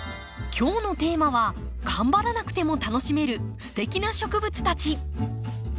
今日のテーマはがんばらなくても楽しめるステキな植物たち。